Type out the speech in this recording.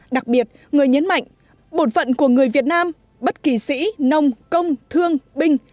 đặc biệt người nhấn mạnh bột phận của người việt nam bất kỳ sĩ nông công thương binh